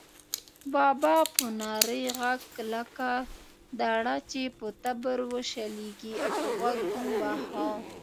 بابا په نري غږ لکه دړه چې په تبر وشلېږي، په غوږ وواهه.